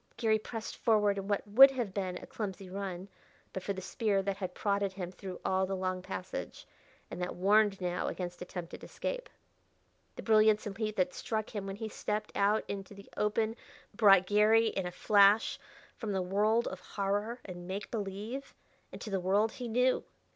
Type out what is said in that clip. Garry pressed forward in what would have been a clumsy run, but for the spear that had prodded him through all the long passage, and that warned now against attempted escape. The brilliance and heat that struck him when he stepped, out into the open brought Garry in a flash from the world of horror and make believe into the world he knew.